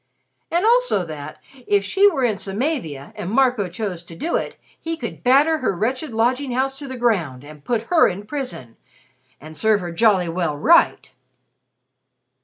And also that if she were in Samavia, and Marco chose to do it he could batter her wretched lodging house to the ground and put her in a prison "and serve her jolly well right!"